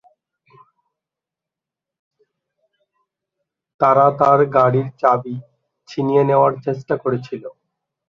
তারা তার গাড়ির চাবি ছিনিয়ে নেওয়ার চেষ্টা করেছিল।